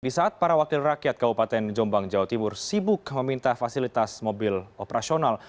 di saat para wakil rakyat kabupaten jombang jawa timur sibuk meminta fasilitas mobil operasional